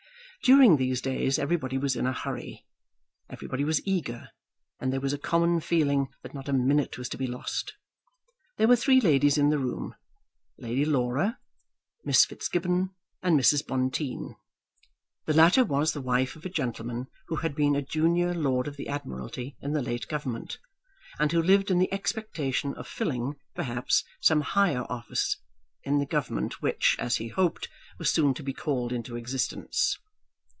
During these days everybody was in a hurry, everybody was eager; and there was a common feeling that not a minute was to be lost. There were three ladies in the room, Lady Laura, Miss Fitzgibbon, and Mrs. Bonteen. The latter was the wife of a gentleman who had been a junior Lord of the Admiralty in the late Government, and who lived in the expectation of filling, perhaps, some higher office in the Government which, as he hoped, was soon to be called into existence.